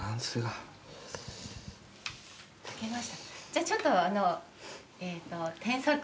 じゃあちょっとえっと。